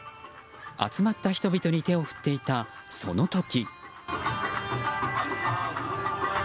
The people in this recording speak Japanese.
集まった人々に手を振っていたその時。